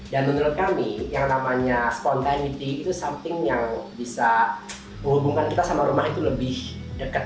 dan menurut kami yang namanya spontaneity itu something yang bisa menghubungkan kita sama rumah itu lebih dekat